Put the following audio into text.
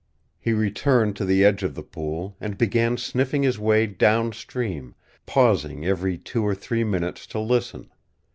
He returned to the edge of the pool, and began sniffing his way down stream, pausing every two or three minutes to listen.